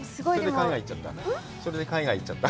それで海外行っちゃった？